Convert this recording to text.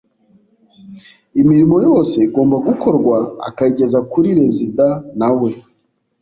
imirimo yose igomba gukorwa akayigeza kuri rezida na we